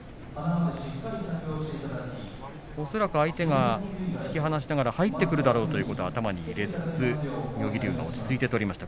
恐らく相手が突き放しながら入ってくるだろうということを頭に入れつつ妙義龍も落ち着いて取りました。